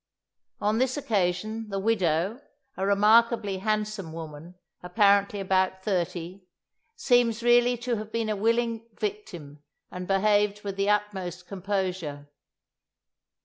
On this occasion the widow, a remarkably handsome woman, apparently about thirty, seems really to have been a willing victim, and behaved with the utmost composure.